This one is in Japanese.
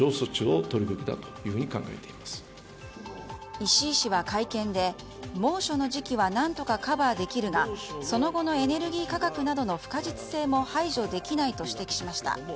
石井氏は会見で、猛暑の時期は何とかカバーできるがその後のエネルギー価格などの不確実性も排除できないと指摘しました。